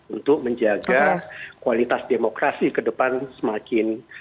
untuk menjaga kualitas demokrasi ke depan semakin